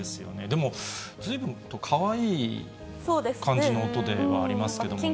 でも、ずいぶんとかわいい感じの音ではありますけどもね。